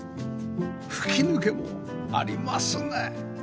吹き抜けもありますね！